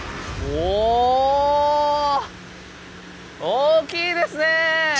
大きいですね！